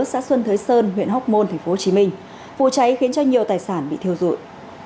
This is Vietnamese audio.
xã xuân thới sơn huyện hóc môn tp hcm vụ cháy khiến cho nhiều tài sản bị thiêu dụi